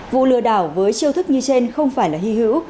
vụ lừa đảo với chiêu thức như trên không phải là hy hữu